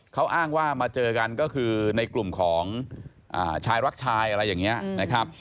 เขาอ้างว่ามาเจอกันก็คือในกลุ่มของชายรักชายอะไรอย่างนี้นะครับ